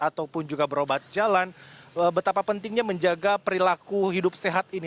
ataupun juga berobat jalan betapa pentingnya menjaga perilaku hidup sehat ini